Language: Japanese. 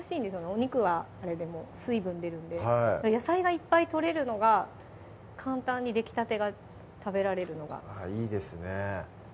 お肉はあれでも水分出るんで野菜がいっぱいとれるのが簡単にできたてが食べられるのがいいですね